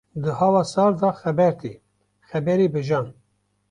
Di hawa sar de xeber tê, xeberê bi jan.